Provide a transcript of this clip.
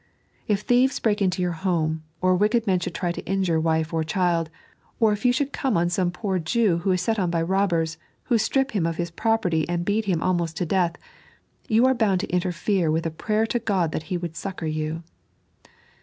If thieves break into your home, or wicked men should try to injure wife or child ; or if you should come on some poor Jew who is set on by robbers, who strip him of his property, and beat him almost to death, you are bound to interfere with a prayer to God that He would succour you.